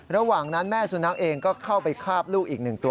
ระหว่างนั้นแม่สุนัขเองก็เข้าไปคาบลูกอีกหนึ่งตัว